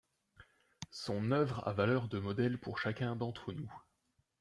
Son œuvre a valeur de modèle pour chacun d'entre nous.